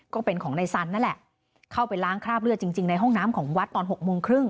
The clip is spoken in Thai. ก็เป็นของนายสันนั่นแหละเข้าไปล้างคราบเลือดจริงในห้องน้ำของวัดตอน๖โมงครึ่ง